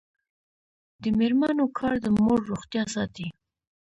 د میرمنو کار د مور روغتیا ساتي.